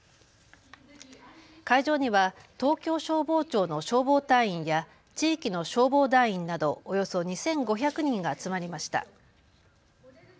会場には東京消防庁の消防隊員や地域の消防団員などおよそ２５００人が集まりました。